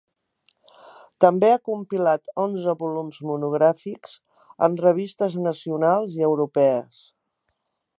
També ha compilat onze volums monogràfics en revistes nacionals i europees.